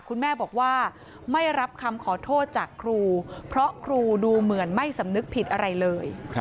คุณแม่บอกว่าไม่รับคำขอโทษจากครูเพราะครูดูเหมือนไม่สำนึกผิดอะไรเลย